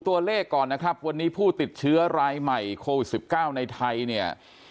ตัวเลขก่อนนะครับวันนี้ผู้ติดเชื้อรายใหม่โควิด๑๙ในไทยเนี่ย